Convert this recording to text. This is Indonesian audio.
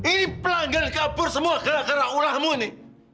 ini pelanggan kabur semua gara gara ulamu ini